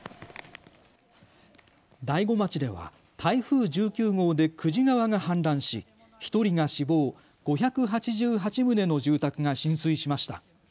大子町では台風１９号で久慈川が氾濫し、１人が死亡、５８８棟の住宅が浸水しました。